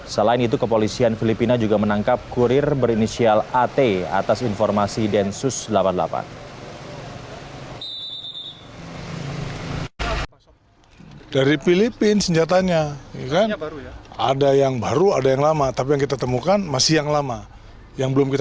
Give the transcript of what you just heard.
selain itu kemudian juga membeli senjata yang ditangkap dari filipina